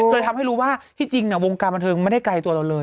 เลยทำให้รู้ว่าที่จริงวงการบันเทิงไม่ได้ไกลตัวเราเลย